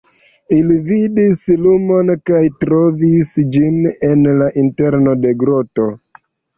Ili vidis lumon kaj trovis ĝin en la interno de groto.